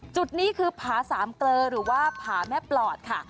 จุดนี้คือผาสามเกลอหรือว่าผาแม่ปลอดค่ะ